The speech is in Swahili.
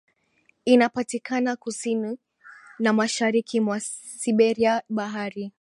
inapatikana kusini na mashariki mwa Siberia Bahari